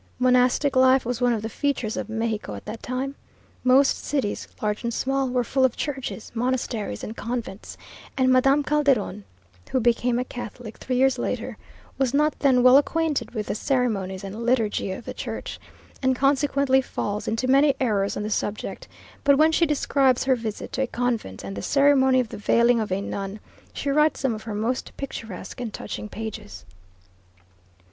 Monastic life was one of the features of Mexico at that time. Most cities, large and small, were full of churches, monasteries, and convents; and Madame Calderon (who became a Catholic three years later) was not then well acquainted with the ceremonies and liturgy of the Church, and consequently falls into many errors on the subject; but when she describes her visit to a convent and the ceremony of the veiling of a nun, she writes some of her most picturesque and touching pages.